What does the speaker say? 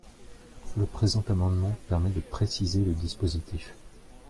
Le présent amendement permet de préciser le dispositif.